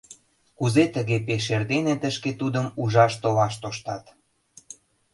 — Кузе тыге пеш эрдене тышке тудым ужаш толаш тоштат?